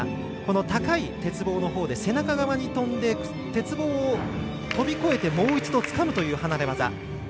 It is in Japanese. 高い鉄棒のほうで背中側に飛んで鉄棒を飛び越えてもう一度つかむという離れ技。